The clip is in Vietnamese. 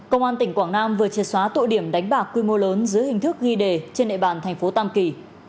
công an tỉnh quảng nam vừa chia xóa tội điểm đánh bạc quy mô lớn dưới hình thức ghi đề trên nệ bản tp tam kỳ